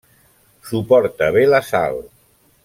Suporta bé la sal.